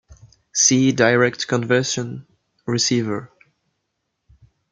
See direct conversion receiver.